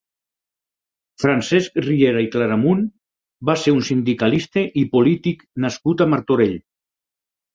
Francesc Riera i Claramunt va ser un sindicalista i polític nascut a Martorell.